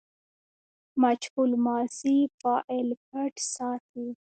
مجهول ماضي فاعل پټ ساتي.